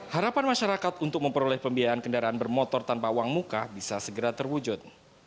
harapan masyarakat untuk memperoleh pembiayaan kendaraan bermotor tanpa uang muka bisa segera terwujud